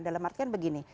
dalam artian begini